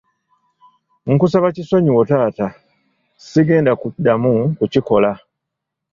Nkusaba kisonyiwo taata, sigenda kuddamu kukikola.